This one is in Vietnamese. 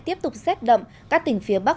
tiếp tục rét đậm các tỉnh phía bắc